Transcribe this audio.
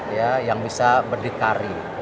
ya yang bisa berdikari